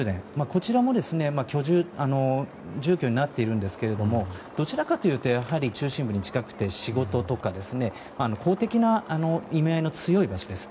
こちらも住居になっているんですがどちらかというと中心部に近くて仕事とか公的な意味合いの強い場所です。